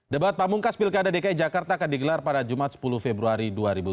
debat pamungkas pilkada dki jakarta akan digelar pada jumat sepuluh februari dua ribu tujuh belas